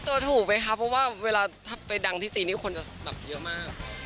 ถูกไหมคะเพราะว่าเวลาถ้าไปดังที่จีนนี่คนจะแบบเยอะมาก